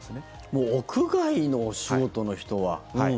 もう屋外のお仕事の人は。